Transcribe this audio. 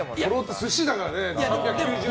寿司だからね。